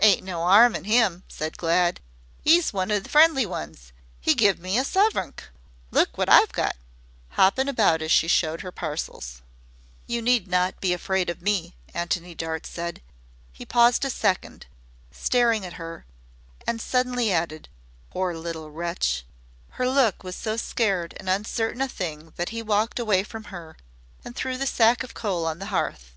"Ain't no 'arm in 'IM," said Glad. "'E's one o' the friendly ones. 'E give me a suvrink. Look wot I've got," hopping about as she showed her parcels. "You need not be afraid of me," Antony Dart said. He paused a second, staring at her, and suddenly added, "Poor little wretch!" Her look was so scared and uncertain a thing that he walked away from her and threw the sack of coal on the hearth.